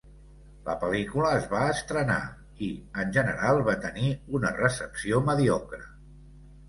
La pel·lícula es va estrenar i, en general, va tenir una recepció mediocre.